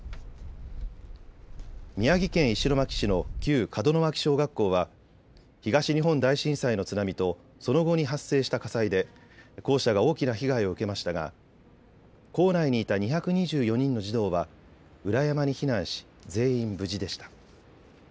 宮城県石巻市の旧門脇小学校は東日本大震災の津波とその後に発生した火災で校舎が大きな被害を受けましたが校内にいた２２４人の児童は裏山に避難し、全員無事でした。